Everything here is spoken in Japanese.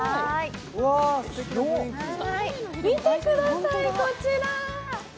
見てください、こちら。